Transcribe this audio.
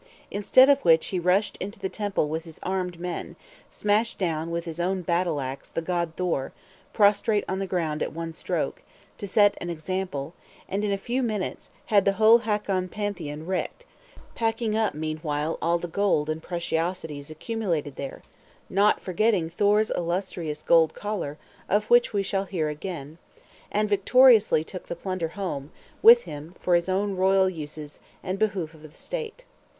Instead of which he rushed into the temple with his armed men; smashed down, with his own battle axe, the god Thor, prostrate on the ground at one stroke, to set an example; and, in a few minutes, had the whole Hakon Pantheon wrecked; packing up meanwhile all the gold and preciosities accumulated there (not forgetting Thor's illustrious gold collar, of which we shall hear again), and victoriously took the plunder home with him for his own royal uses and behoof of the state.